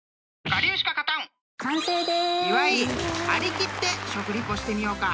張り切って食リポしてみようか］